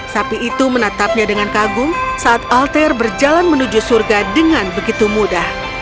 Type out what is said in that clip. sapi itu menatapnya dengan kagum saat alter berjalan menuju surga dengan begitu mudah